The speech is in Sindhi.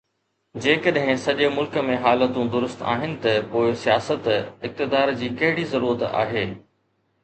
جيڪڏهن سڄي ملڪ ۾ حالتون درست آهن ته پوءِ سياست، اقتدار جي ڪهڙي ضرورت آهي